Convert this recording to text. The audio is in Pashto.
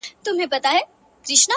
ما به د سترگو کټوري کي نه ساتل گلونه”